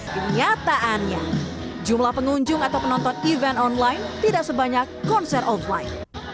kenyataannya jumlah pengunjung atau penonton event online tidak sebanyak konser offline